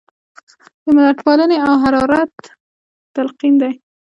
د ملتپالنې او جرات تلقین دی.